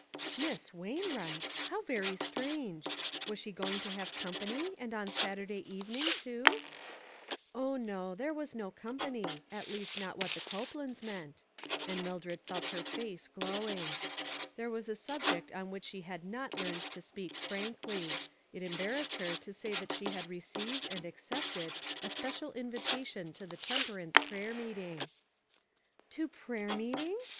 Miss Wainwright ! How very strange ! Was she going to have company ; and on Satur day evening, too ?" Oh, no, there was no company ; at least not what the Copelands meant ;" and Mil dred felt her face glowing. There was a subject on which she had not learned to speak frankly. It embarrassed her to say that she had received and accepted a special invitation to the temperance prayer meeting. "To prayer meeting?"